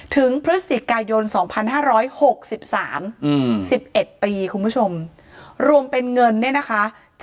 พฤศจิกายน๒๕๖๓๑๑ปีคุณผู้ชมรวมเป็นเงินเนี่ยนะคะ